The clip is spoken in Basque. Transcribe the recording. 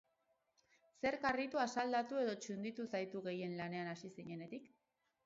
Zerk harritu, asaldatu edo txunditu zaitu gehien lanean hasi zinenetik?